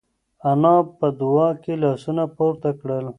انا په دعا کې لاسونه پورته کړل.